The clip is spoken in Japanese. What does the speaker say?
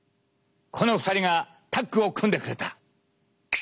この２人がタッグを組んでくれた。